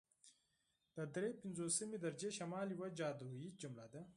د دري پنځوسمې درجې شمال یوه جادويي جمله ده